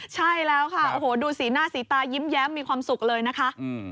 ใช่แล้วค่ะโอ้โหดูสีหน้าสีตายิ้มแย้มมีความสุขเลยนะคะ